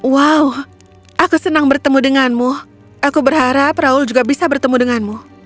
wow aku senang bertemu denganmu aku berharap raul juga bisa bertemu denganmu